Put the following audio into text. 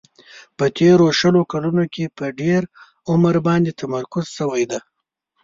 په تیرو شلو کلونو کې په ډېر عمر باندې تمرکز شوی دی.